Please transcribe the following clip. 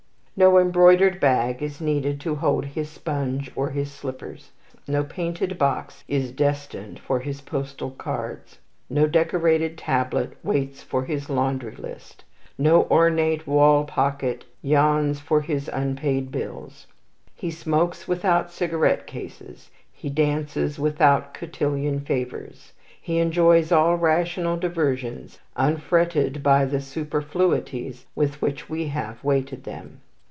No embroidered bag is needed to hold his sponge or his slippers. No painted box is destined for his postal cards. No decorated tablet waits for his laundry list. No ornate wall pocket yawns for his unpaid bills. He smokes without cigarette cases. He dances without cotillion favours. He enjoys all rational diversions, unfretted by the superfluities with which we have weighted them.